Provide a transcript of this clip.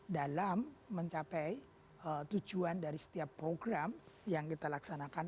dalam mencapai tujuan dari setiap program yang kita laksanakan